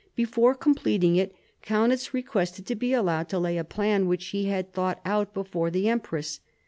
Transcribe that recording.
Before completing it, Kaunitz requested to be allowed to lay a plan which he had thought out before the empress.